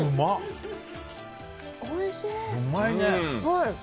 おいしい。